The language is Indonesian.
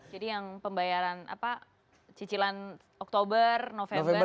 jadi yang pembayaran apa cicilan oktober november desember